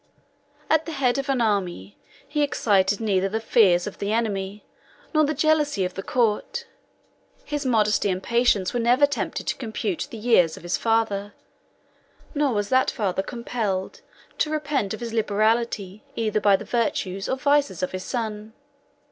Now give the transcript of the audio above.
6 At the head of an army, he excited neither the fears of the enemy, nor the jealousy of the court; his modesty and patience were never tempted to compute the years of his father; nor was that father compelled to repent of his liberality either by the virtues or vices of his son.